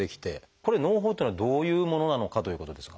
これのう胞っていうのはどういうものなのかということですが。